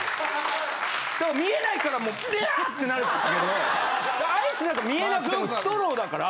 だから見えないからもうビャーッ！ってなるんですけどアイスなんか見えなくてもストローだから。